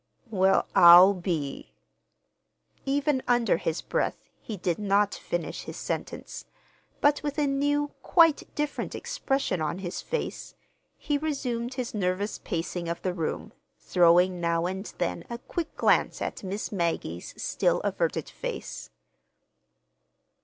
"Well, I'll be—" Even under his breath he did not finish his sentence; but, with a new, quite different expression on his face, he resumed his nervous pacing of the room, throwing now and then a quick glance at Miss Maggie's still averted face.